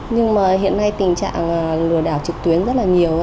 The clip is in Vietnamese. nhưng mà hiện nay tình trạng lừa đảo trực tuyến rất là nhiều